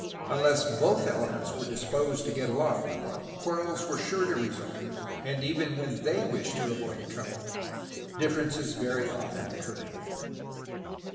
Un less both elements were disposed to get along, quarrels were sure to result, and even when they wished to avoid trouble, differences very often occurred.